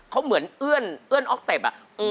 เขาเหมือนเอื้อนเอื้อนออกเต็ป